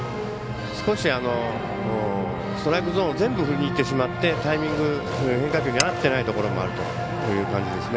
少しストライクゾーン全部振りにいってしまってタイミング、変化球に合ってないところもあるという感じですね。